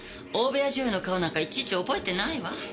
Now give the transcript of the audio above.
大部屋女優の顔なんかいちいち覚えてないわ。